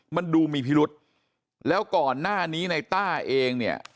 มันดูมีพิรุษแล้วก่อนหน้านี้ในต้าเองเนี่ย